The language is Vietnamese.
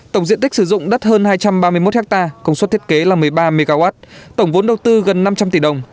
tổng diện tích sử dụng đất hơn hai trăm ba mươi một ha công suất thiết kế là một mươi ba mw tổng vốn đầu tư gần năm trăm linh tỷ đồng